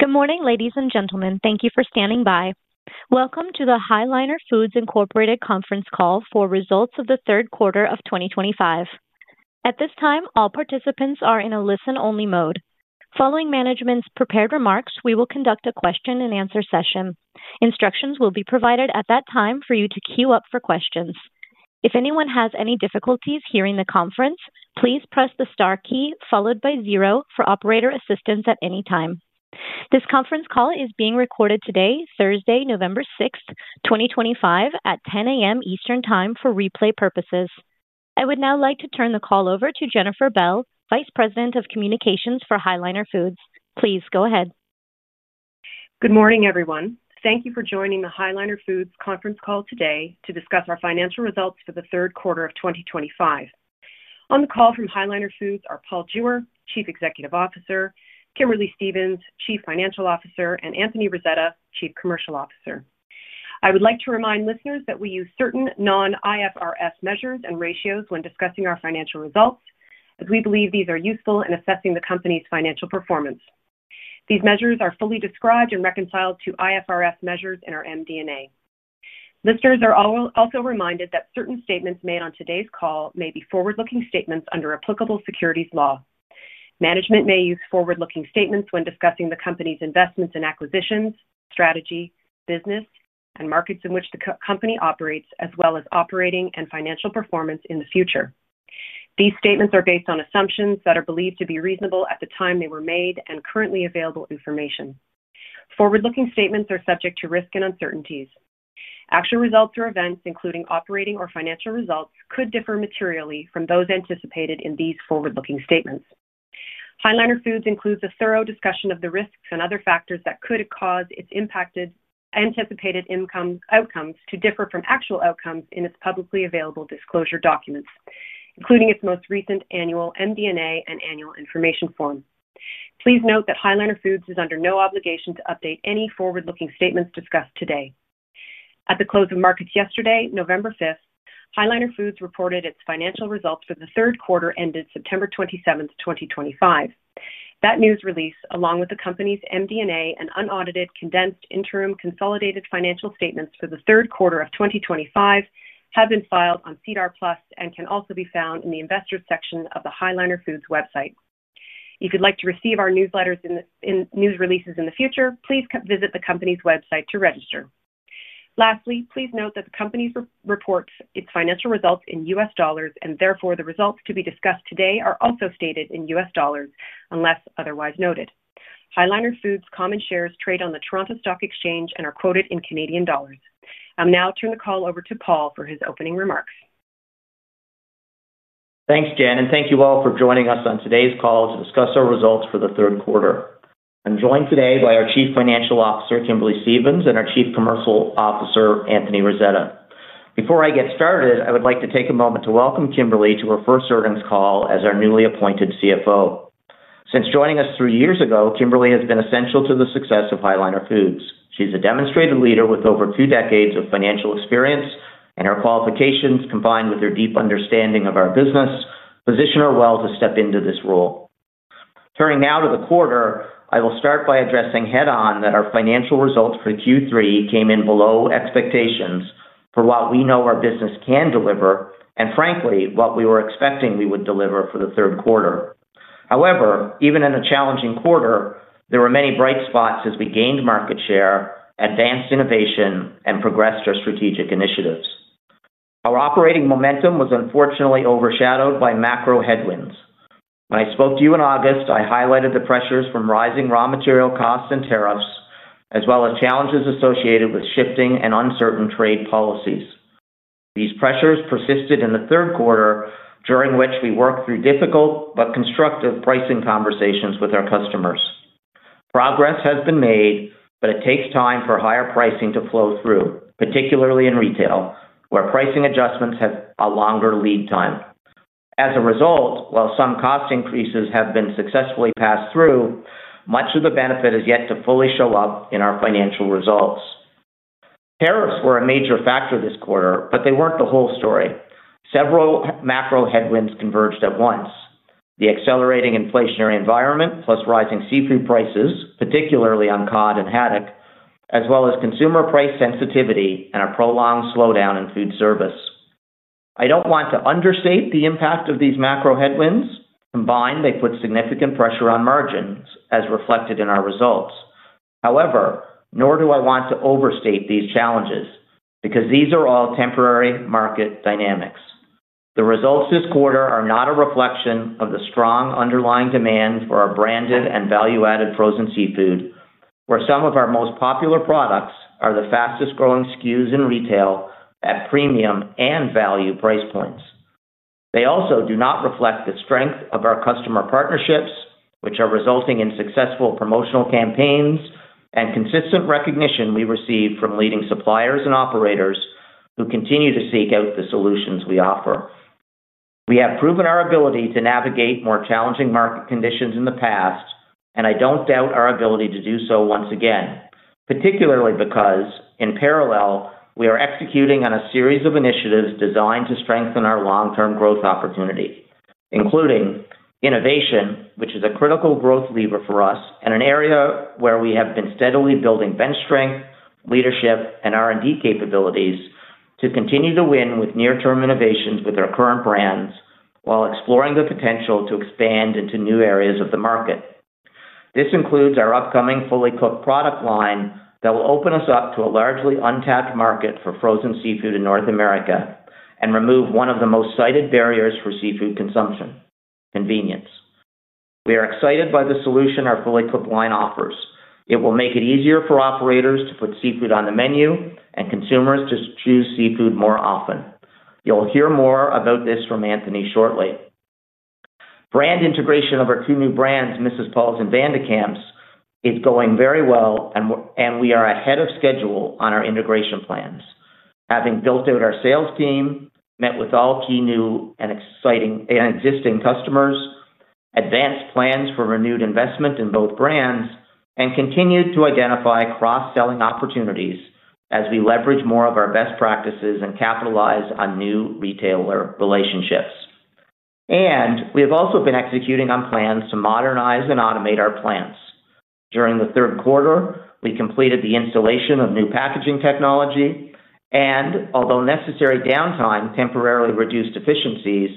Good morning, ladies and gentlemen. Thank you for standing by. Welcome to the High Liner Foods Incorporated conference call for results of the third quarter of 2025. At this time, all participants are in a listen-only mode. Following management's prepared remarks, we will conduct a question-and-answer session. Instructions will be provided at that time for you to queue up for questions. If anyone has any difficulties hearing the conference, please press the star key followed by zero for operator assistance at any time. This conference call is being recorded today, Thursday, November 6th, 2025, at 10:00 A.M. Eastern Time for replay purposes. I would now like to turn the call over to Jennifer Bell, Vice President of Communications for High Liner Foods. Please go ahead. Good morning, everyone. Thank you for joining the High Liner Foods conference call today to discuss our financial results for the third quarter of 2025. On the call from High Liner Foods are Paul Jewer, Chief Executive Officer; Kimberly Stephens, Chief Financial Officer; and Anthony Rasetta, Chief Commercial Officer. I would like to remind listeners that we use certain non-IFRS measures and ratios when discussing our financial results, as we believe these are useful in assessing the company's financial performance. These measures are fully described and reconciled to IFRS measures in our MD&A. Listeners are also reminded that certain statements made on today's call may be forward-looking statements under applicable securities law. Management may use forward-looking statements when discussing the company's investments and acquisitions, strategy, business, and markets in which the company operates, as well as operating and financial performance in the future. These statements are based on assumptions that are believed to be reasonable at the time they were made and currently available information. Forward-looking statements are subject to risk and uncertainties. Actual results or events, including operating or financial results, could differ materially from those anticipated in these forward-looking statements. High Liner Foods includes a thorough discussion of the risks and other factors that could cause its anticipated outcomes to differ from actual outcomes in its publicly available disclosure documents, including its most recent annual MD&A and annual information form. Please note that High Liner Foods is under no obligation to update any forward-looking statements discussed today. At the close of markets yesterday, November 5th, High Liner Foods reported its financial results for the third quarter ended September 27th, 2025. That news release, along with the company's MD&A and unaudited condensed interim consolidated financial statements for the third quarter of 2025, have been filed on SEDAR+ and can also be found in the investors' section of the High Liner Foods website. If you'd like to receive our newsletters and news releases in the future, please visit the company's website to register. Lastly, please note that the company reports its financial results in US dollars, and therefore the results to be discussed today are also stated in US dollars unless otherwise noted. High Liner Foods' common shares trade on the Toronto Stock Exchange and are quoted in Canadian dollar. I'll now turn the call over to Paul for his opening remarks. Thanks, Jen, and thank you all for joining us on today's call to discuss our results for the third quarter. I'm joined today by our Chief Financial Officer, Kimberly Stephens, and our Chief Commercial Officer, Anthony Rasetta. Before I get started, I would like to take a moment to welcome Kimberly to her first service call as our newly appointed CFO. Since joining us three years ago, Kimberly has been essential to the success of High Liner Foods. She's a demonstrated leader with over two decades of financial experience, and her qualifications, combined with her deep understanding of our business, position her well to step into this role. Turning now to the quarter, I will start by addressing head-on that our financial results for Q3 came in below expectations for what we know our business can deliver and, frankly, what we were expecting we would deliver for the third quarter. However, even in a challenging quarter, there were many bright spots as we gained market share, advanced innovation, and progressed our strategic initiatives. Our operating momentum was unfortunately overshadowed by macro headwinds. When I spoke to you in August, I highlighted the pressures from rising raw material costs and tariffs, as well as challenges associated with shifting and uncertain trade policies. These pressures persisted in the third quarter, during which we worked through difficult but constructive pricing conversations with our customers. Progress has been made, but it takes time for higher pricing to flow through, particularly in retail, where pricing adjustments have a longer lead time. As a result, while some cost increases have been successfully passed through, much of the benefit is yet to fully show up in our financial results. Tariffs were a major factor this quarter, but they were not the whole story. Several macro headwinds converged at once: the accelerating inflationary environment, plus rising seafood prices, particularly on cod and haddock, as well as consumer price sensitivity and a prolonged slowdown in food service. I do not want to understate the impact of these macro headwinds. Combined, they put significant pressure on margins, as reflected in our results. However, nor do I want to overstate these challenges because these are all temporary market dynamics. The results this quarter are not a reflection of the strong underlying demand for our branded and value-added frozen seafood, where some of our most popular products are the fastest-growing SKUs in retail at premium and value price points. They also do not reflect the strength of our customer partnerships, which are resulting in successful promotional campaigns and consistent recognition we receive from leading suppliers and operators who continue to seek out the solutions we offer. We have proven our ability to navigate more challenging market conditions in the past, and I don't doubt our ability to do so once again, particularly because, in parallel, we are executing on a series of initiatives designed to strengthen our long-term growth opportunity, including innovation, which is a critical growth lever for us and an area where we have been steadily building bench strength, leadership, and R&D capabilities to continue to win with near-term innovations with our current brands while exploring the potential to expand into new areas of the market. This includes our upcoming fully cooked product line that will open us up to a largely untapped market for frozen seafood in North America and remove one of the most cited barriers for seafood consumption: convenience. We are excited by the solution our fully cooked line offers. It will make it easier for operators to put seafood on the menu and consumers to choose seafood more often. You'll hear more about this from Anthony shortly. Brand integration of our two new brands, Mrs. Paul's and Van de Kamp's, is going very well, and we are ahead of schedule on our integration plans, having built out our sales team, met with all key new and existing customers, advanced plans for renewed investment in both brands, and continued to identify cross-selling opportunities as we leverage more of our best practices and capitalize on new retailer relationships. We have also been executing on plans to modernize and automate our plants. During the third quarter, we completed the installation of new packaging technology, and although necessary downtime temporarily reduced efficiencies,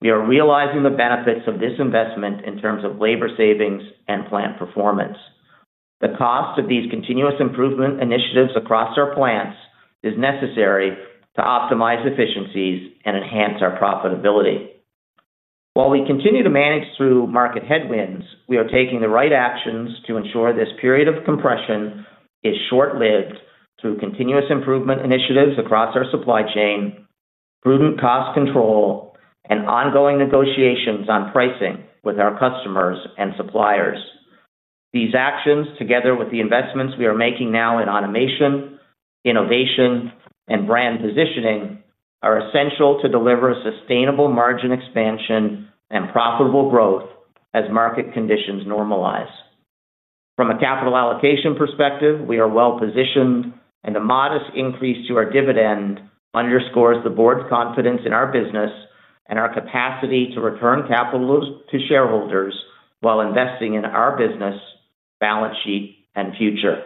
we are realizing the benefits of this investment in terms of labor savings and plant performance. The cost of these continuous improvement initiatives across our plants is necessary to optimize efficiencies and enhance our profitability. While we continue to manage through market headwinds, we are taking the right actions to ensure this period of compression is short-lived through continuous improvement initiatives across our supply chain, prudent cost control, and ongoing negotiations on pricing with our customers and suppliers. These actions, together with the investments we are making now in automation, innovation, and brand positioning, are essential to deliver a sustainable margin expansion and profitable growth as market conditions normalize. From a capital allocation perspective, we are well positioned, and the modest increase to our dividend underscores the board's confidence in our business and our capacity to return capital to shareholders while investing in our business, balance sheet, and future.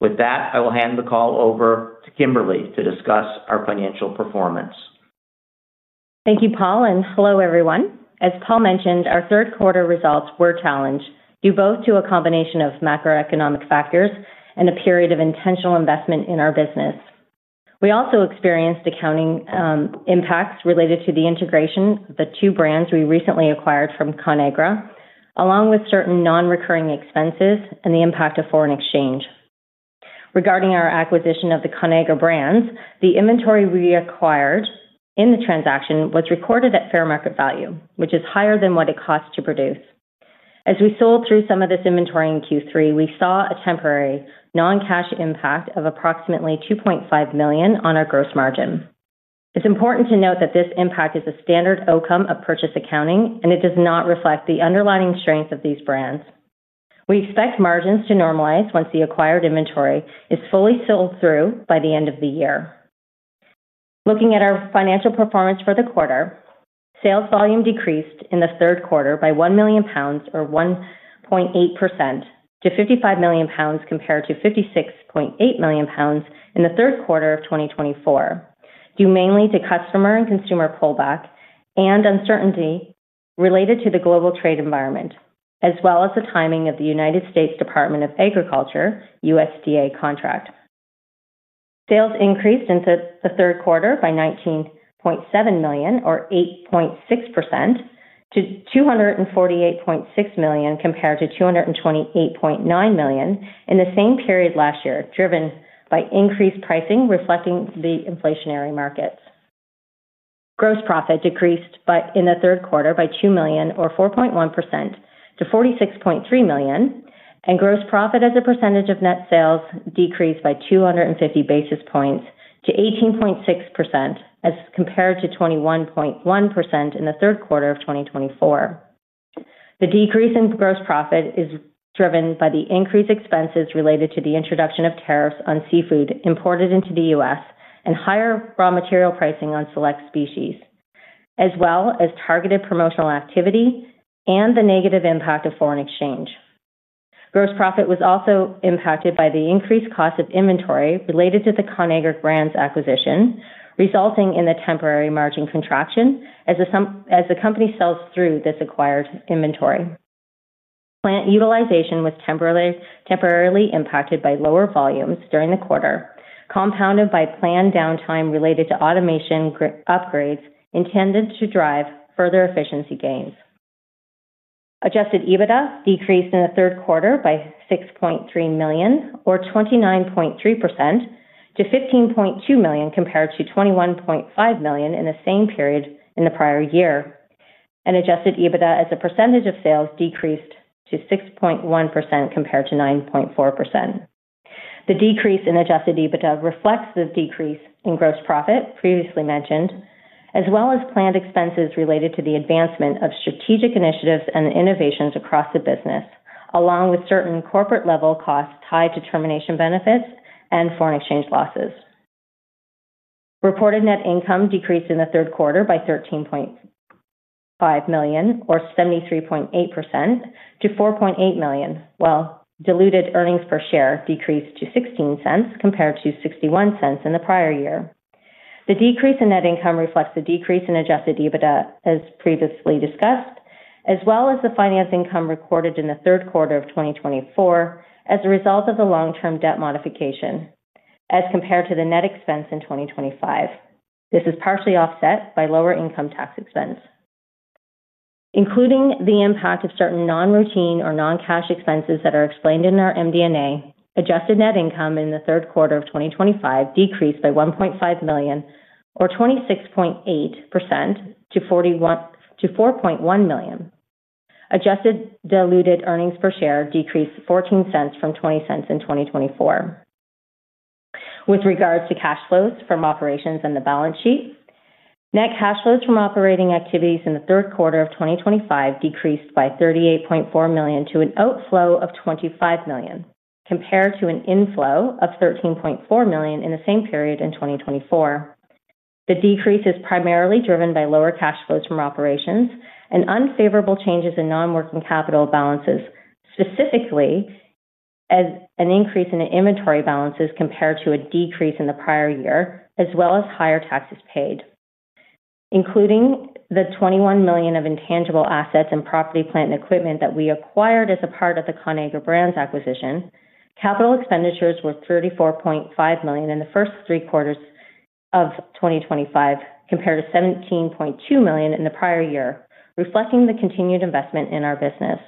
With that, I will hand the call over to Kimberly to discuss our financial performance. Thank you, Paul. Hello, everyone. As Paul mentioned, our third-quarter results were challenged due both to a combination of macroeconomic factors and a period of intentional investment in our business. We also experienced accounting impacts related to the integration of the two brands we recently acquired from Conagra, along with certain non-recurring expenses and the impact of foreign exchange. Regarding our acquisition of the Conagra Brands, the inventory we acquired in the transaction was recorded at fair market value, which is higher than what it cost to produce. As we sold through some of this inventory in Q3, we saw a temporary non-cash impact of approximately $2.5 million on our gross margin. It is important to note that this impact is a standard outcome of purchase accounting, and it does not reflect the underlying strength of these brands. We expect margins to normalize once the acquired inventory is fully sold through by the end of the year. Looking at our financial performance for the quarter, sales volume decreased in the third quarter by $1 million, or 1.8%, to $55 million compared to $56.8 million in the third quarter of 2024, due mainly to customer and consumer pullback and uncertainty related to the global trade environment, as well as the timing of the U.S. Department of Agriculture (USDA) contract. Sales increased in the third quarter by $19.7 million, or 8.6%, to $248.6 million compared to $228.9 million in the same period last year, driven by increased pricing reflecting the inflationary markets. Gross profit decreased in the third quarter by $2 million, or 4.1%, to $46.3 million, and gross profit as a percentage of net sales decreased by 250 basis points to 18.6%, as compared to 21.1% in the third quarter of 2024. The decrease in gross profit is driven by the increased expenses related to the introduction of tariffs on seafood imported into the U.S. and higher raw material pricing on select species, as well as targeted promotional activity and the negative impact of foreign exchange. Gross profit was also impacted by the increased cost of inventory related to the Conagra Brands acquisition, resulting in the temporary margin contraction as the company sells through this acquired inventory. Plant utilization was temporarily impacted by lower volumes during the quarter, compounded by planned downtime related to automation upgrades intended to drive further efficiency gains. Adjusted EBITDA decreased in the third quarter by $6.3 million, or 29.3%, to $15.2 million compared to $21.5 million in the same period in the prior year, and adjusted EBITDA as a percentage of sales decreased to 6.1% compared to 9.4%. The decrease in adjusted EBITDA reflects the decrease in gross profit previously mentioned, as well as planned expenses related to the advancement of strategic initiatives and innovations across the business, along with certain corporate-level costs tied to termination benefits and foreign exchange losses. Reported net income decreased in the third quarter by $13.5 million, or 73.8%, to $4.8 million, while diluted earnings per share decreased to $0.16 compared to $0.61 in the prior year. The decrease in net income reflects the decrease in adjusted EBITDA, as previously discussed, as well as the finance income recorded in the third quarter of 2024 as a result of the long-term debt modification, as compared to the net expense in 2025. This is partially offset by lower income tax expense. Including the impact of certain non-routine or non-cash expenses that are explained in our MD&A, adjusted net income in the third quarter of 2025 decreased by $1.5 million, or 26.8%, to $4.1 million. Adjusted diluted earnings per share decreased $0.14 from $0.20 in 2024. With regards to cash flows from operations and the balance sheet, net cash flows from operating activities in the third quarter of 2025 decreased by $38.4 million to an outflow of $25 million compared to an inflow of $13.4 million in the same period in 2024. The decrease is primarily driven by lower cash flows from operations and unfavorable changes in non-working capital balances, specifically. An increase in inventory balances compared to a decrease in the prior year, as well as higher taxes paid. Including the $21 million of intangible assets and property, plant, and equipment that we acquired as a part of the Conagra Brands acquisition, capital expenditures were $34.5 million in the first three quarters of 2025 compared to $17.2 million in the prior year, reflecting the continued investment in our business.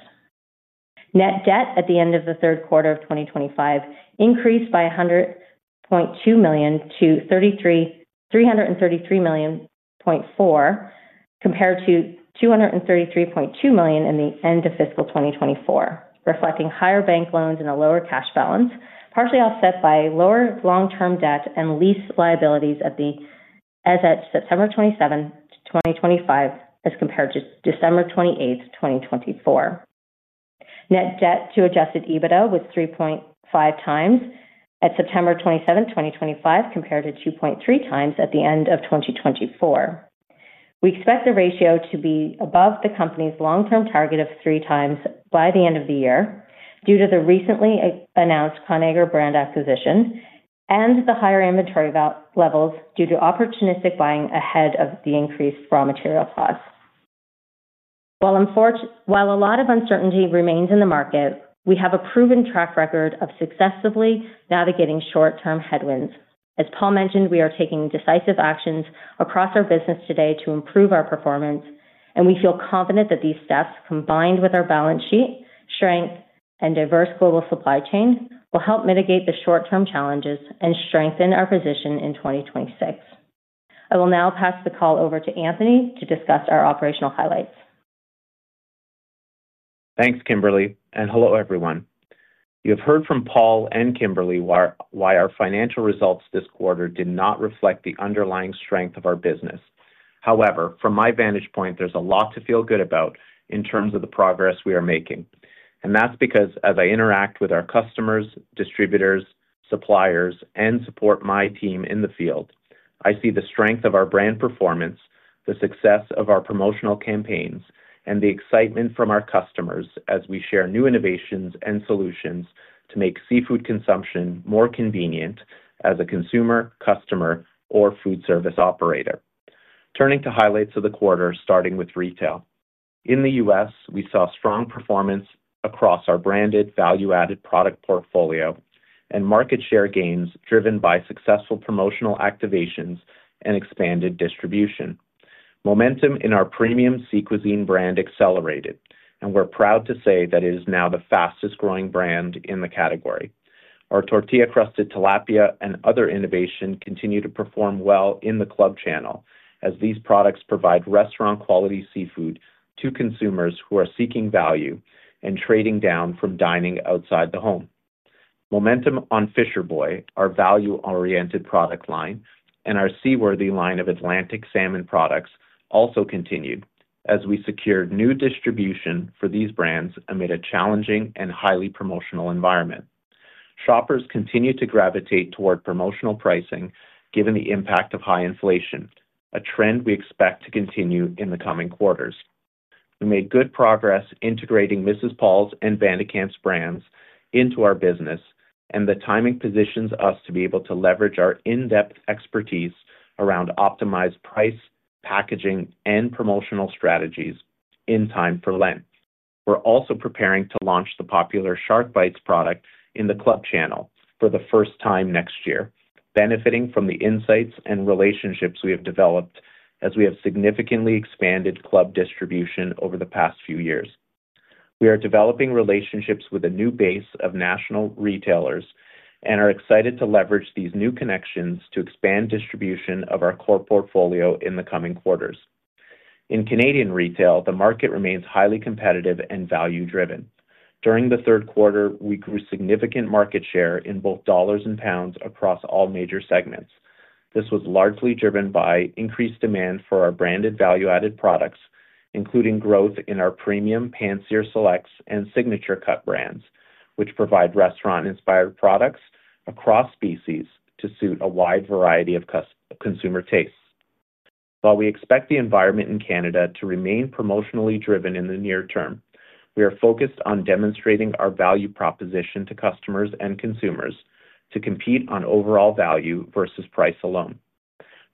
Net debt at the end of the third quarter of 2025 increased by $100.2 million to $333.4 million compared to $233.2 million in the end of fiscal 2024, reflecting higher bank loans and a lower cash balance, partially offset by lower long-term debt and lease liabilities as of September 27, 2025, as compared to December 28, 2024. Net debt to adjusted EBITDA was 3.5x at September 27, 2025, compared to 2.3x at the end of 2024. We expect the ratio to be above the company's long-term target of 3x by the end of the year due to the recently announced Conagra Brands acquisition and the higher inventory levels due to opportunistic buying ahead of the increased raw material costs. While a lot of uncertainty remains in the market, we have a proven track record of successfully navigating short-term headwinds. As Paul mentioned, we are taking decisive actions across our business today to improve our performance, and we feel confident that these steps, combined with our balance sheet strength and diverse global supply chain, will help mitigate the short-term challenges and strengthen our position in 2026. I will now pass the call over to Anthony to discuss our operational highlights. Thanks, Kimberly. Hello, everyone. You have heard from Paul and Kimberly why our financial results this quarter did not reflect the underlying strength of our business. However, from my vantage point, there is a lot to feel good about in terms of the progress we are making. That is because, as I interact with our customers, distributors, suppliers, and support my team in the field, I see the strength of our brand performance, the success of our promotional campaigns, and the excitement from our customers as we share new innovations and solutions to make seafood consumption more convenient as a consumer, customer, or food service operator. Turning to highlights of the quarter, starting with retail. In the U.S., we saw strong performance across our branded value-added product portfolio and market share gains driven by successful promotional activations and expanded distribution. Momentum in our premium Sea Cuisine brand accelerated, and we're proud to say that it is now the fastest-growing brand in the category. Our tortilla-crusted tilapia and other innovation continue to perform well in the club channel as these products provide restaurant-quality seafood to consumers who are seeking value and trading down from dining outside the home. Momentum on Fisher Boy, our value-oriented product line, and our seaworthy line of Atlantic Salmon products also continued as we secured new distribution for these brands amid a challenging and highly promotional environment. Shoppers continue to gravitate toward promotional pricing given the impact of high inflation, a trend we expect to continue in the coming quarters. We made good progress integrating Mrs. Paul's and Van de Kamp's brands into our business, and the timing positions us to be able to leverage our in-depth expertise around optimized price, packaging, and promotional strategies in time for Lent. We're also preparing to launch the popular Shark Bites product in the club channel for the first time next year, benefiting from the insights and relationships we have developed as we have significantly expanded club distribution over the past few years. We are developing relationships with a new base of national retailers and are excited to leverage these new connections to expand distribution of our core portfolio in the coming quarters. In Canadian retail, the market remains highly competitive and value-driven. During the third quarter, we grew significant market share in both dollars and pounds across all major segments. This was largely driven by increased demand for our branded value-added products, including growth in our premium Pan-Sear Selects and Signature Cuts brands, which provide restaurant-inspired products across species to suit a wide variety of consumer tastes. While we expect the environment in Canada to remain promotionally driven in the near term, we are focused on demonstrating our value proposition to customers and consumers to compete on overall value versus price alone.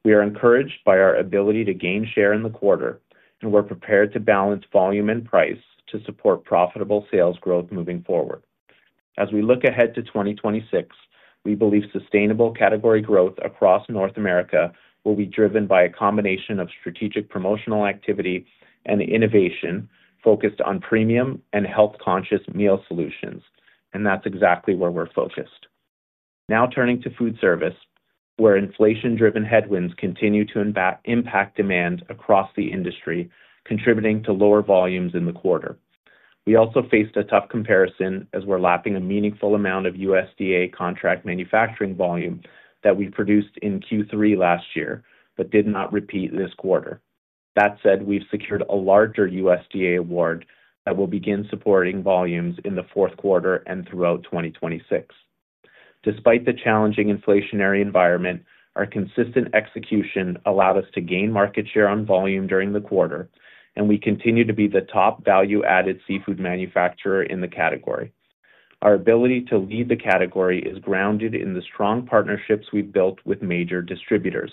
We are encouraged by our ability to gain share in the quarter, and we're prepared to balance volume and price to support profitable sales growth moving forward. As we look ahead to 2026, we believe sustainable category growth across North America will be driven by a combination of strategic promotional activity and innovation focused on premium and health-conscious meal solutions, and that's exactly where we're focused. Now turning to food service, where inflation-driven headwinds continue to impact demand across the industry, contributing to lower volumes in the quarter. We also faced a tough comparison as we're lapping a meaningful amount of USDA contract manufacturing volume that we produced in Q3 last year but did not repeat this quarter. That said, we've secured a larger USDA award that will begin supporting volumes in the fourth quarter and throughout 2026. Despite the challenging inflationary environment, our consistent execution allowed us to gain market share on volume during the quarter, and we continue to be the top value-added seafood manufacturer in the category. Our ability to lead the category is grounded in the strong partnerships we've built with major distributors.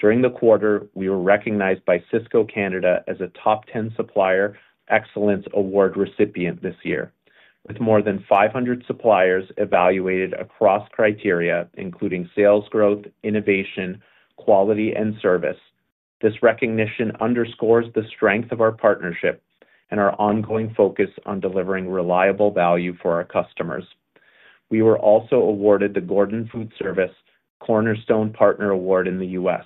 During the quarter, we were recognized by Cisco Canada as a top 10 supplier excellence award recipient this year, with more than 500 suppliers evaluated across criteria, including sales growth, innovation, quality, and service. This recognition underscores the strength of our partnership and our ongoing focus on delivering reliable value for our customers. We were also awarded the Gordon Food Service Cornerstone Partner Award in the U.S.,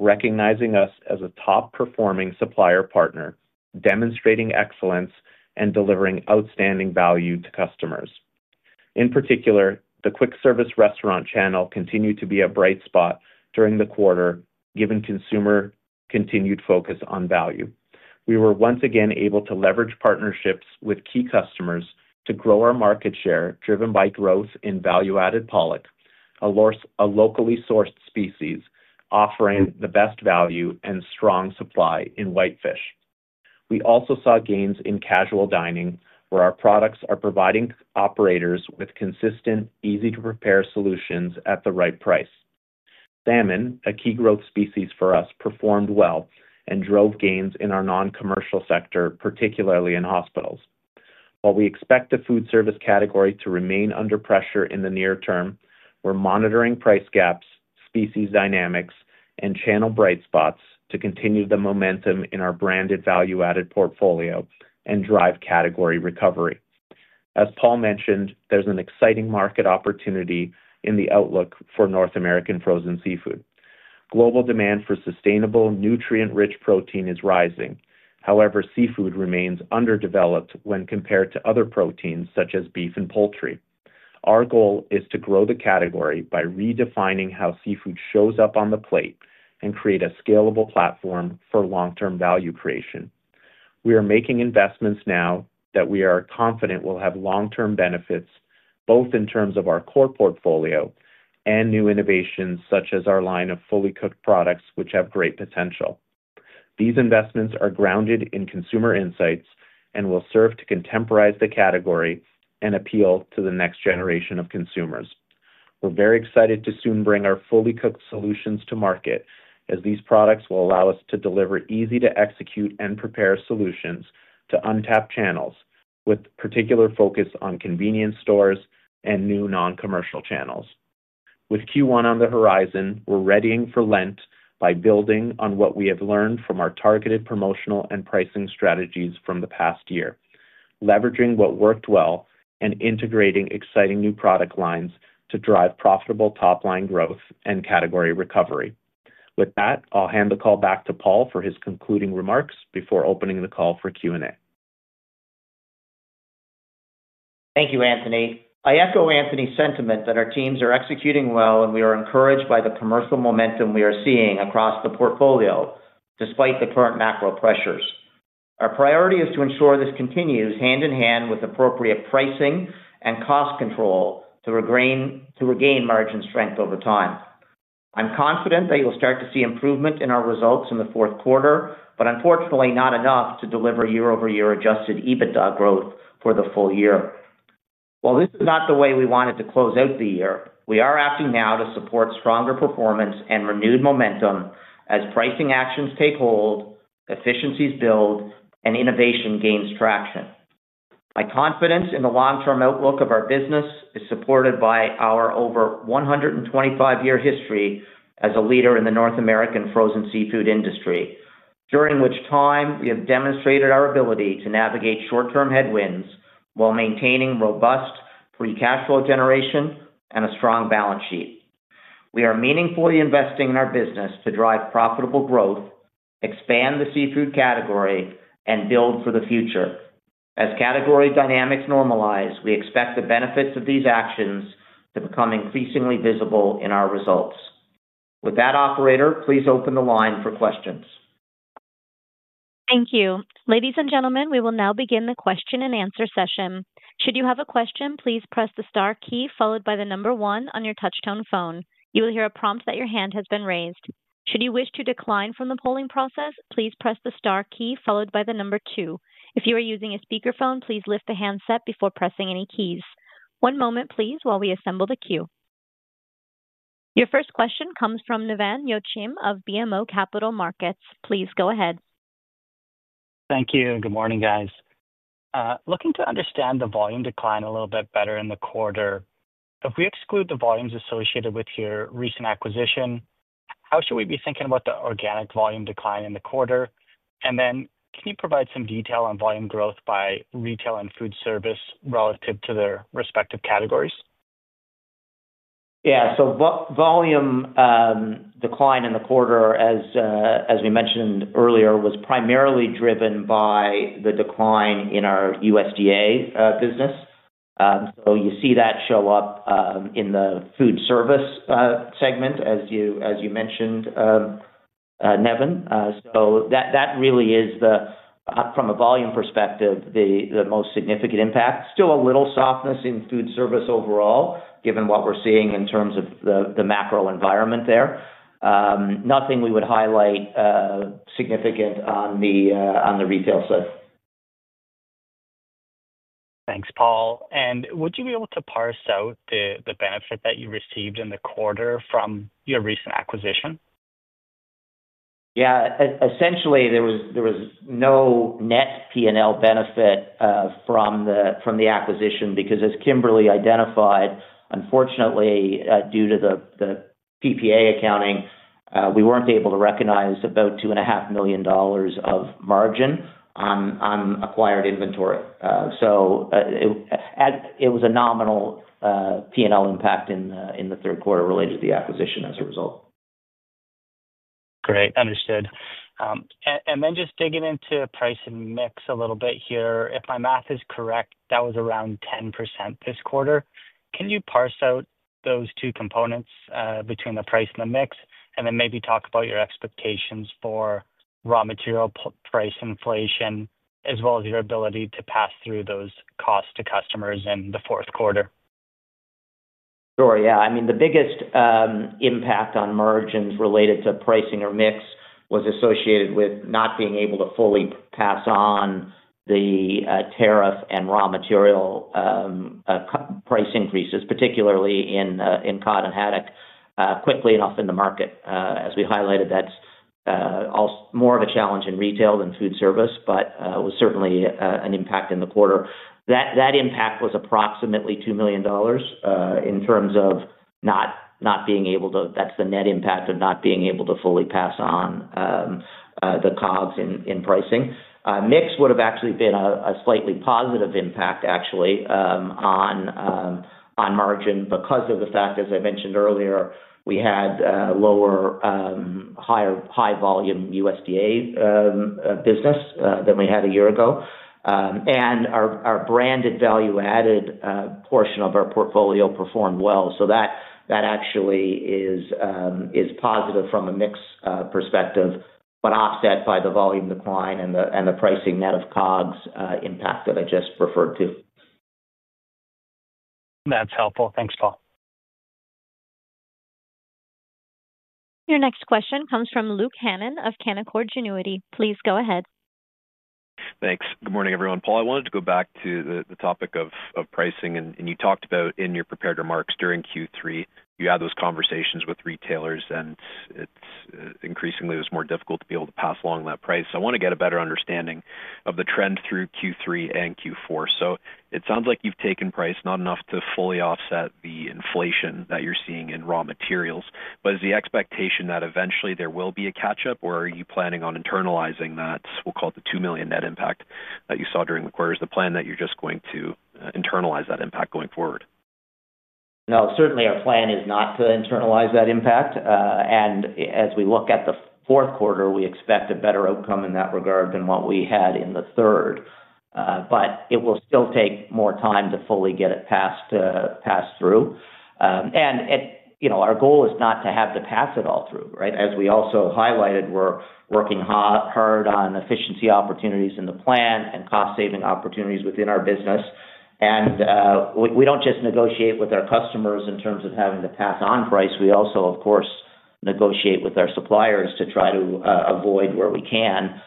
recognizing us as a top-performing supplier partner, demonstrating excellence, and delivering outstanding value to customers. In particular, the quick-service restaurant channel continued to be a bright spot during the quarter, given consumer continued focus on value. We were once again able to leverage partnerships with key customers to grow our market share, driven by growth in value-added pollock, a locally sourced species offering the best value and strong supply in whitefish. We also saw gains in casual dining, where our products are providing operators with consistent, easy-to-prepare solutions at the right price. Salmon, a key growth species for us, performed well and drove gains in our non-commercial sector, particularly in hospitals. While we expect the food service category to remain under pressure in the near term, we're monitoring price gaps, species dynamics, and channel bright spots to continue the momentum in our branded value-added portfolio and drive category recovery. As Paul mentioned, there's an exciting market opportunity in the outlook for North American frozen seafood. Global demand for sustainable, nutrient-rich protein is rising. However, seafood remains underdeveloped when compared to other proteins such as beef and poultry. Our goal is to grow the category by redefining how seafood shows up on the plate and create a scalable platform for long-term value creation. We are making investments now that we are confident will have long-term benefits, both in terms of our core portfolio and new innovations such as our line of fully cooked products, which have great potential. These investments are grounded in consumer insights and will serve to contemporize the category and appeal to the next generation of consumers. We're very excited to soon bring our fully cooked solutions to market, as these products will allow us to deliver easy-to-execute and prepare solutions to untapped channels, with particular focus on convenience stores and new non-commercial channels. With Q1 on the horizon, we're readying for Lent by building on what we have learned from our targeted promotional and pricing strategies from the past year, leveraging what worked well and integrating exciting new product lines to drive profitable top-line growth and category recovery. With that, I'll hand the call back to Paul for his concluding remarks before opening the call for Q&A. Thank you, Anthony. I echo Anthony's sentiment that our teams are executing well, and we are encouraged by the commercial momentum we are seeing across the portfolio despite the current macro pressures. Our priority is to ensure this continues hand-in-hand with appropriate pricing and cost control to regain margin strength over time. I'm confident that you'll start to see improvement in our results in the fourth quarter, but unfortunately, not enough to deliver year-over-year adjusted EBITDA growth for the full year. While this is not the way we wanted to close out the year, we are acting now to support stronger performance and renewed momentum as pricing actions take hold, efficiencies build, and innovation gains traction. My confidence in the long-term outlook of our business is supported by our over 125-year history as a leader in the North American frozen seafood industry, during which time we have demonstrated our ability to navigate short-term headwinds while maintaining robust free cash flow generation and a strong balance sheet. We are meaningfully investing in our business to drive profitable growth, expand the seafood category, and build for the future. As category dynamics normalize, we expect the benefits of these actions to become increasingly visible in our results. With that, Operator, please open the line for questions. Thank you. Ladies and gentlemen, we will now begin the question-and-answer session. Should you have a question, please press the star key followed by the number one on your touch-tone phone. You will hear a prompt that your hand has been raised. Should you wish to decline from the polling process, please press the star key followed by the number two. If you are using a speakerphone, please lift the handset before pressing any keys. One moment, please, while we assemble the queue. Your first question comes from Nevan Yochim of BMO Capital Markets. Please go ahead. Thank you. Good morning, guys. Looking to understand the volume decline a little bit better in the quarter, if we exclude the volumes associated with your recent acquisition, how should we be thinking about the organic volume decline in the quarter? Can you provide some detail on volume growth by retail and food service relative to their respective categories? Yeah. Volume decline in the quarter, as we mentioned earlier, was primarily driven by the decline in our USDA business. You see that show up in the food service segment, as you mentioned, Nevan. That really is, from a volume perspective, the most significant impact. Still a little softness in food service overall, given what we are seeing in terms of the macro environment there. Nothing we would highlight significant on the retail side. Thanks, Paul. Would you be able to parse out the benefit that you received in the quarter from your recent acquisition? Yeah. Essentially, there was no net P&L benefit from the acquisition because, as Kimberly identified, unfortunately, due to the PPA accounting, we were not able to recognize about $2.5 million of margin on acquired inventory. It was a nominal P&L impact in the third quarter related to the acquisition as a result. Great. Understood. Just digging into price and mix a little bit here, if my math is correct, that was around 10% this quarter. Can you parse out those two components between the price and the mix and then maybe talk about your expectations for raw material price inflation, as well as your ability to pass through those costs to customers in the fourth quarter? Sure. Yeah. I mean, the biggest impact on margins related to pricing or mix was associated with not being able to fully pass on the tariff and raw material price increases, particularly in cod and haddock, quickly enough in the market. As we highlighted, that is more of a challenge in retail than food service, but it was certainly an impact in the quarter. That impact was approximately $2 million. In terms of not being able to—that is the net impact of not being able to fully pass on the COGS in pricing. Mix would have actually been a slightly positive impact, actually, on margin because of the fact, as I mentioned earlier, we had lower high volume USDA business than we had a year ago. And our branded value-added portion of our portfolio performed well. So that actually is. Positive from a mix perspective, but offset by the volume decline and the pricing net of COGS impact that I just referred to. That's helpful. Thanks, Paul. Your next question comes from Luke Hannan of Canaccord Genuity. Please go ahead. Thanks. Good morning, everyone. Paul, I wanted to go back to the topic of pricing. You talked about in your prepared remarks during Q3, you had those conversations with retailers, and increasingly, it was more difficult to be able to pass along that price. I want to get a better understanding of the trend through Q3 and Q4. It sounds like you've taken price not enough to fully offset the inflation that you're seeing in raw materials. Is the expectation that eventually there will be a catch-up, or are you planning on internalizing that, we'll call it the $2 million net impact that you saw during the quarter? Is the plan that you're just going to internalize that impact going forward? No, certainly, our plan is not to internalize that impact. As we look at the fourth quarter, we expect a better outcome in that regard than what we had in the third. It will still take more time to fully get it passed through. Our goal is not to have to pass it all through, right? As we also highlighted, we're working hard on efficiency opportunities in the plant and cost-saving opportunities within our business. We don't just negotiate with our customers in terms of having to pass on price. We also, of course, negotiate with our suppliers to try to avoid, where we can,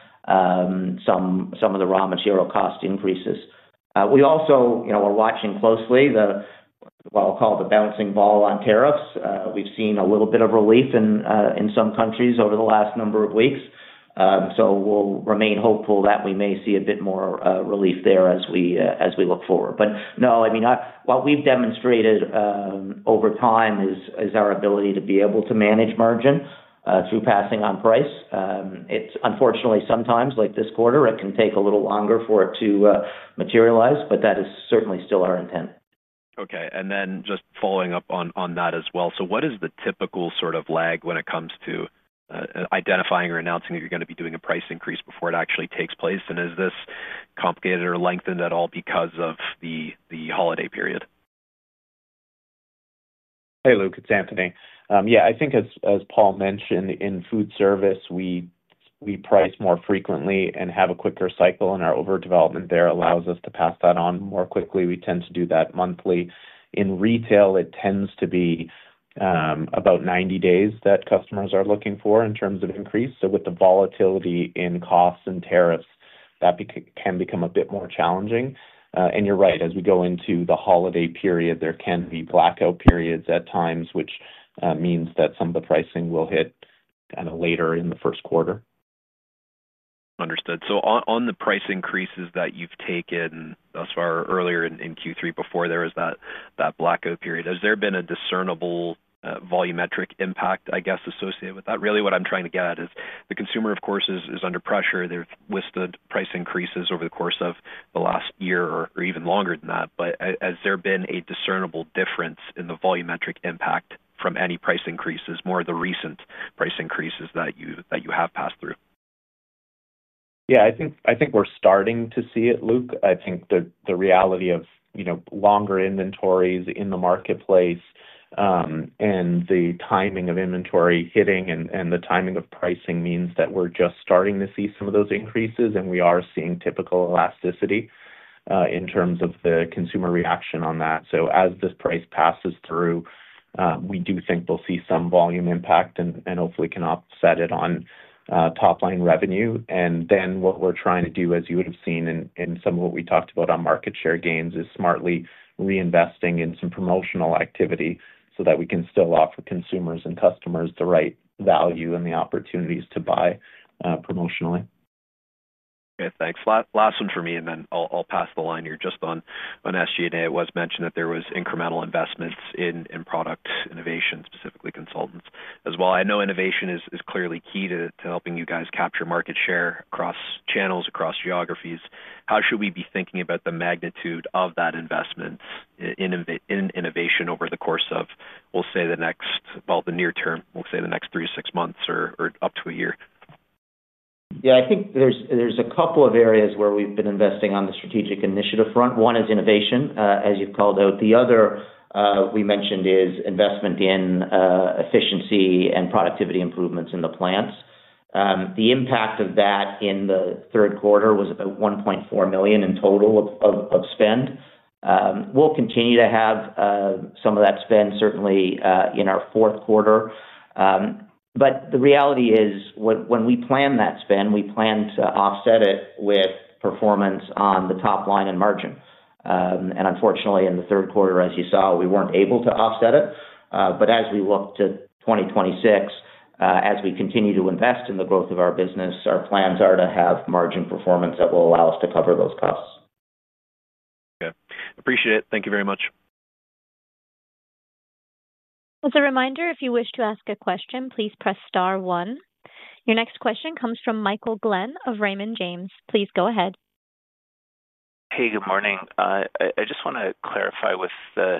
some of the raw material cost increases. We also are watching closely what I'll call the bouncing ball on tariffs. We've seen a little bit of relief in some countries over the last number of weeks. We will remain hopeful that we may see a bit more relief there as we look forward. No, I mean, what we have demonstrated over time is our ability to be able to manage margin through passing on price. Unfortunately, sometimes, like this quarter, it can take a little longer for it to materialize, but that is certainly still our intent. Okay. And then just following up on that as well, what is the typical sort of lag when it comes to identifying or announcing that you're going to be doing a price increase before it actually takes place? Is this complicated or lengthened at all because of the holiday period? Hey, Luke, it's Anthony. Yeah, I think, as Paul mentioned, in food service, we price more frequently and have a quicker cycle, and our overdevelopment there allows us to pass that on more quickly. We tend to do that monthly. In retail, it tends to be about 90 days that customers are looking for in terms of increase. With the volatility in costs and tariffs, that can become a bit more challenging. You're right, as we go into the holiday period, there can be blackout periods at times, which means that some of the pricing will hit kind of later in the first quarter. Understood. On the price increases that you've taken thus far earlier in Q3, before there was that blackout period, has there been a discernible volumetric impact, I guess, associated with that? Really, what I'm trying to get at is the consumer, of course, is under pressure. There's listed price increases over the course of the last year or even longer than that. Has there been a discernible difference in the volumetric impact from any price increases, more of the recent price increases that you have passed through? Yeah, I think we're starting to see it, Luke. I think the reality of longer inventories in the marketplace. The timing of inventory hitting and the timing of pricing means that we're just starting to see some of those increases, and we are seeing typical elasticity in terms of the consumer reaction on that. As this price passes through, we do think we'll see some volume impact and hopefully can offset it on top-line revenue. What we're trying to do, as you would have seen in some of what we talked about on market share gains, is smartly reinvesting in some promotional activity so that we can still offer consumers and customers the right value and the opportunities to buy promotionally. Okay. Thanks. Last one for me, and then I'll pass the line here just on SG&A. It was mentioned that there was incremental investments in product innovation, specifically consultants as well. I know innovation is clearly key to helping you guys capture market share across channels, across geographies. How should we be thinking about the magnitude of that investment in innovation over the course of, we'll say, the next—well, the near term, we'll say the next three to six months or up to a year? Yeah, I think there's a couple of areas where we've been investing on the strategic initiative front. One is innovation, as you've called out. The other we mentioned is investment in efficiency and productivity improvements in the plants. The impact of that in the third quarter was about $1.4 million in total of spend. We'll continue to have some of that spend, certainly, in our fourth quarter. The reality is, when we plan that spend, we plan to offset it with performance on the top line and margin. Unfortunately, in the third quarter, as you saw, we weren't able to offset it. As we look to 2026, as we continue to invest in the growth of our business, our plans are to have margin performance that will allow us to cover those costs. Okay. Appreciate it. Thank you very much. As a reminder, if you wish to ask a question, please press star one. Your next question comes from Michael Glen of Raymond James. Please go ahead. Hey, good morning. I just want to clarify with the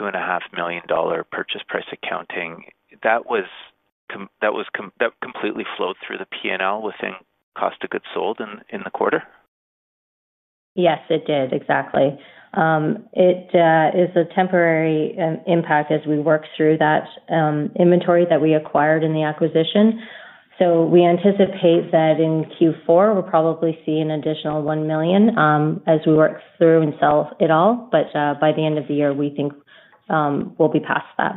$2.5 million purchase price accounting. That completely flowed through the P&L within cost of goods sold in the quarter? Yes, it did. Exactly. It is a temporary impact as we work through that inventory that we acquired in the acquisition. We anticipate that in Q4, we'll probably see an additional $1 million as we work through and sell it all. By the end of the year, we think we'll be past that.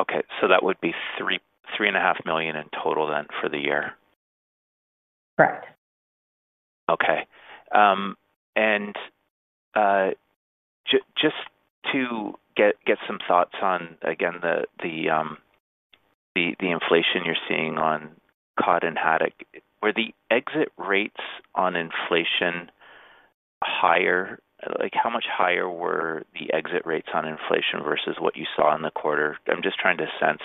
Okay. So that would be $3.5 million in total then for the year? Correct. Okay. Just to get some thoughts on, again, the inflation you're seeing on cod and haddock, were the exit rates on inflation higher? How much higher were the exit rates on inflation versus what you saw in the quarter? I'm just trying to sense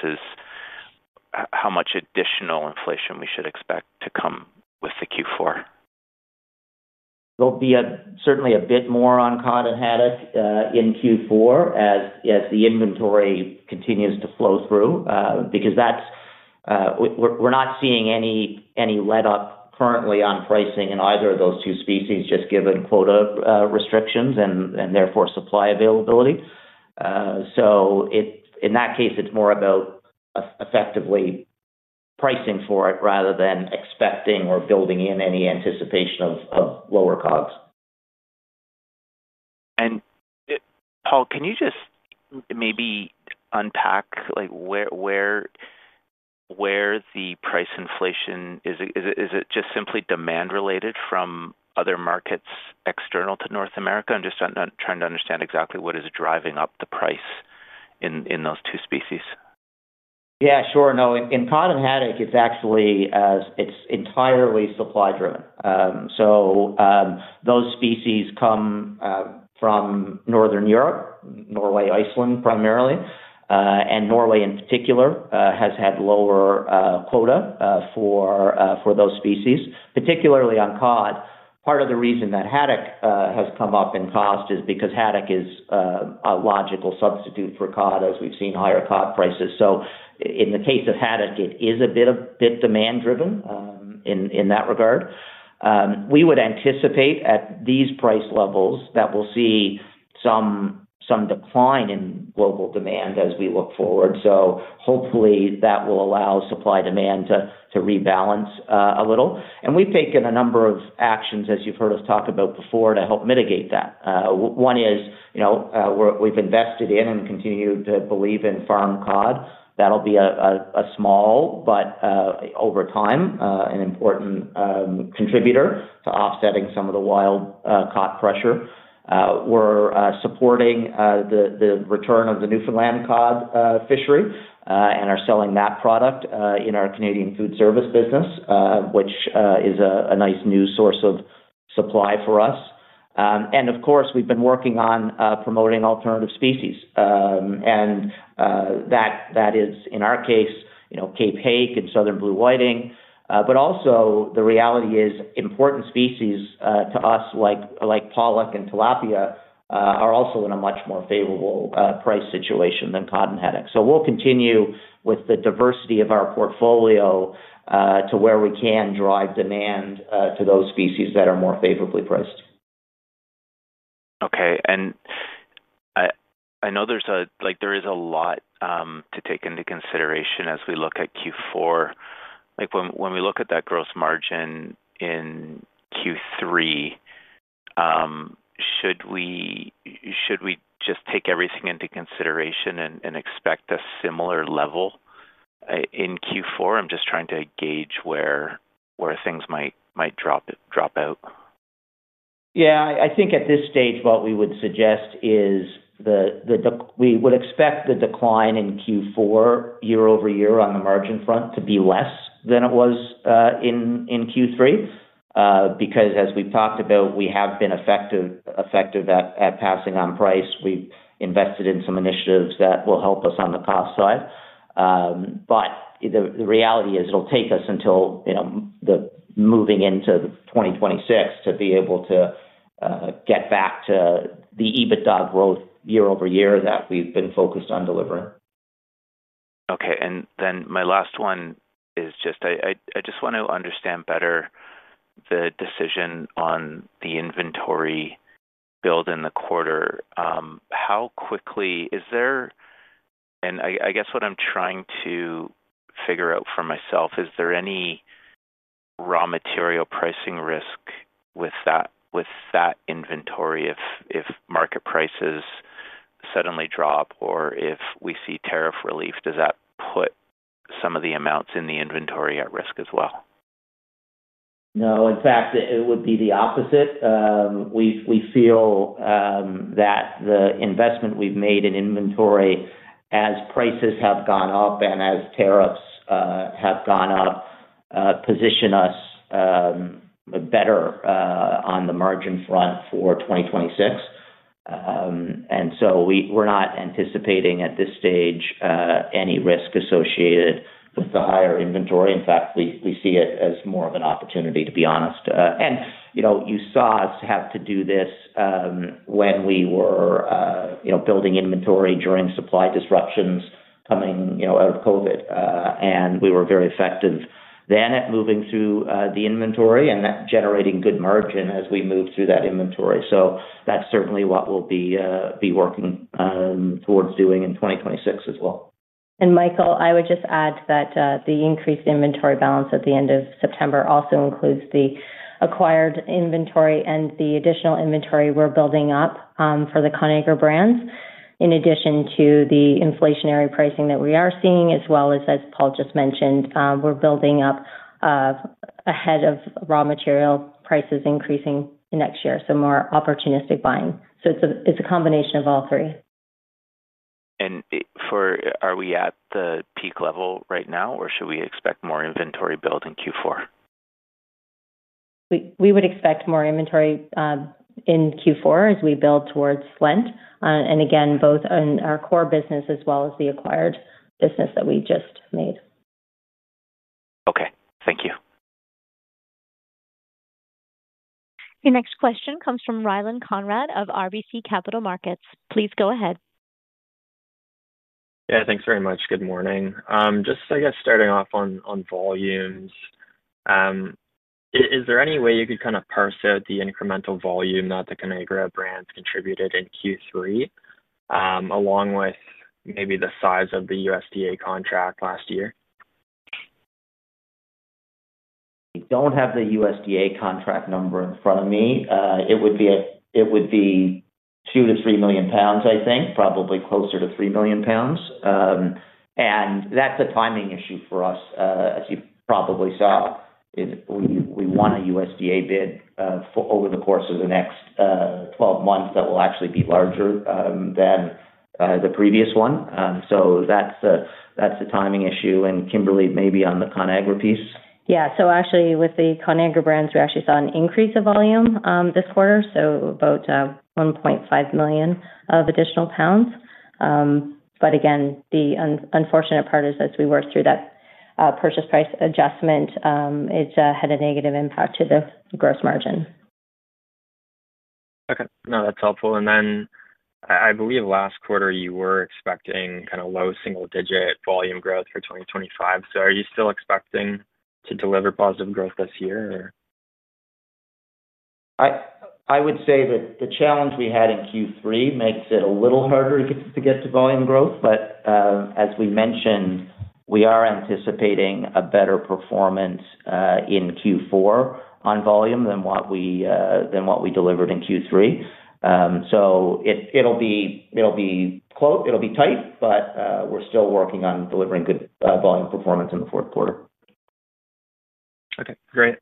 how much additional inflation we should expect to come with the Q4. There'll be certainly a bit more on cod and haddock in Q4 as the inventory continues to flow through because we're not seeing any let-up currently on pricing in either of those two species, just given quota restrictions and therefore supply availability. In that case, it's more about effectively pricing for it rather than expecting or building in any anticipation of lower COGS. Paul, can you just maybe unpack where the price inflation is? Is it just simply demand-related from other markets external to North America? I'm just trying to understand exactly what is driving up the price in those two species. Yeah, sure. No, in cod and haddock, it is entirely supply-driven. Those species come from Northern Europe, Norway, Iceland, primarily. Norway, in particular, has had lower quota for those species, particularly on cod. Part of the reason that haddock has come up in cost is because haddock is a logical substitute for cod, as we have seen higher cod prices. In the case of haddock, it is a bit demand-driven in that regard. We would anticipate at these price levels that we will see some decline in global demand as we look forward. Hopefully, that will allow supply-demand to rebalance a little. We have taken a number of actions, as you have heard us talk about before, to help mitigate that. One is we have invested in and continue to believe in farm cod. That will be a small, but over time, an important contributor to offsetting some of the wild cod pressure. We're supporting the return of the Newfoundland cod fishery and are selling that product in our Canadian food service business, which is a nice new source of supply for us. Of course, we've been working on promoting alternative species. That is, in our case, Cape Hake and Southern Blue Whiting. Also, the reality is important species to us, like pollock and tilapia, are in a much more favorable price situation than cod and haddock. We will continue with the diversity of our portfolio to where we can drive demand to those species that are more favorably priced. Okay. I know there is a lot to take into consideration as we look at Q4. When we look at that gross margin in Q3, should we just take everything into consideration and expect a similar level in Q4? I'm just trying to gauge where things might drop out. Yeah, I think at this stage, what we would suggest is we would expect the decline in Q4 year-over-year on the margin front to be less than it was in Q3. Because, as we've talked about, we have been effective at passing on price. We've invested in some initiatives that will help us on the cost side. The reality is it'll take us until moving into 2026 to be able to get back to the EBITDA growth year-over-year that we've been focused on delivering. Okay. My last one is just I just want to understand better the decision on the inventory build in the quarter. How quickly is there— I guess what I'm trying to figure out for myself, is there any raw material pricing risk with that inventory if market prices suddenly drop or if we see tariff relief? Does that put some of the amounts in the inventory at risk as well? No, in fact, it would be the opposite. We feel that the investment we've made in inventory, as prices have gone up and as tariffs have gone up, position us better on the margin front for 2026. We are not anticipating at this stage any risk associated with the higher inventory. In fact, we see it as more of an opportunity, to be honest. You saw us have to do this when we were building inventory during supply disruptions coming out of COVID. We were very effective then at moving through the inventory and generating good margin as we moved through that inventory. That is certainly what we will be working towards doing in 2026 as well. Michael, I would just add that the increased inventory balance at the end of September also includes the acquired inventory and the additional inventory we are building up for the Conagra Brands, in addition to the inflationary pricing that we are seeing, as well as, as Paul just mentioned, we are building up ahead of raw material prices increasing next year, so more opportunistic buying. It is a combination of all three. Are we at the peak level right now, or should we expect more inventory built in Q4? We would expect more inventory in Q4 as we build towards Lent. Again, both in our core business as well as the acquired business that we just made. Okay. Thank you. Your next question comes from Ryland Conrad of RBC Capital Markets. Please go ahead. Yeah, thanks very much. Good morning. Just, I guess, starting off on volumes. Is there any way you could kind of parse out the incremental volume that the Conagra Brands contributed in Q3, along with maybe the size of the USDA contract last year? We do not have the USDA contract number in front of me. It would be 2 million lbs-3 million lbs, I think, probably closer to 3 million lbs. That is a timing issue for us. As you probably saw, we won a USDA bid over the course of the next 12 months that will actually be larger than the previous one. That is the timing issue. Kimberly, maybe on the Conagra piece? Yeah. So actually, with the Conagra Brands, we actually saw an increase of volume this quarter, so about 1.5 million of additional lbs. Again, the unfortunate part is, as we worked through that purchase price adjustment, it had a negative impact to the gross margin. Okay. No, that's helpful. And then I believe last quarter you were expecting kind of low single-digit volume growth for 2025. So are you still expecting to deliver positive growth this year, or? I would say that the challenge we had in Q3 makes it a little harder to get to volume growth. But as we mentioned, we are anticipating a better performance in Q4 on volume than what we delivered in Q3. It will be tight, but we're still working on delivering good volume performance in the fourth quarter. Okay. Great.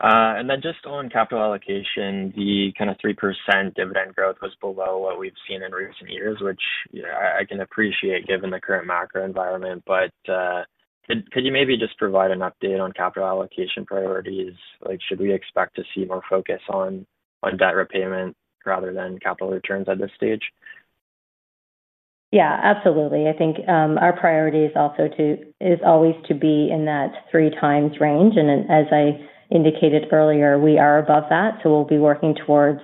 And then just on capital allocation, the kind of 3% dividend growth was below what we've seen in recent years, which I can appreciate given the current macro environment. Could you maybe just provide an update on capital allocation priorities? Should we expect to see more focus on debt repayment rather than capital returns at this stage? Yeah, absolutely. I think our priority is always to be in that 3x range. As I indicated earlier, we are above that. We will be working towards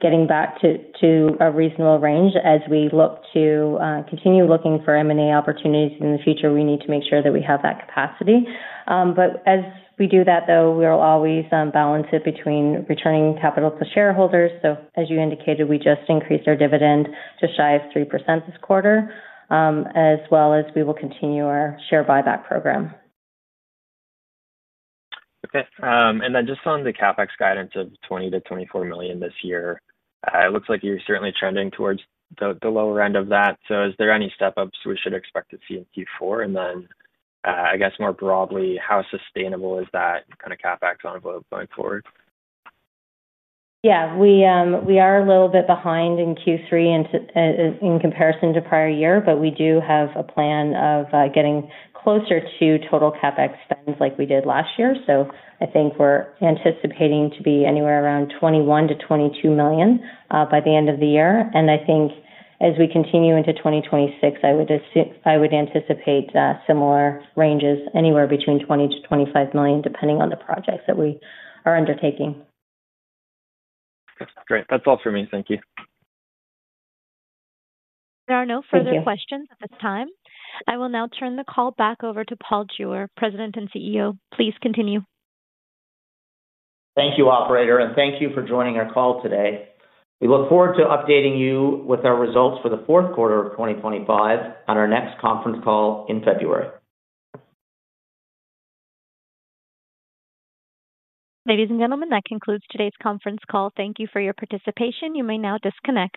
getting back to a reasonable range as we look to continue looking for M&A opportunities in the future. We need to make sure that we have that capacity. As we do that, though, we will always balance it between returning capital to shareholders. As you indicated, we just increased our dividend to shy of 3% this quarter. We will continue our share buyback program. Okay. And then just on the CapEx guidance of $20 million-$24 million this year, it looks like you're certainly trending towards the lower end of that. Is there any step-ups we should expect to see in Q4? I guess, more broadly, how sustainable is that kind of CapEx envelope going forward? Yeah. We are a little bit behind in Q3 in comparison to prior year, but we do have a plan of getting closer to total CapEx spends like we did last year. I think we're anticipating to be anywhere around $21 million-$22 million by the end of the year. I think as we continue into 2026, I would anticipate similar ranges anywhere between $20 million-$25 million, depending on the projects that we are undertaking. Great. That's all for me. Thank you. There are no further questions at this time. I will now turn the call back over to Paul Jewer, President and CEO. Please continue. Thank you, operator. Thank you for joining our call today. We look forward to updating you with our results for the fourth quarter of 2025 on our next conference call in February. Ladies and gentlemen, that concludes today's conference call. Thank you for your participation. You may now disconnect.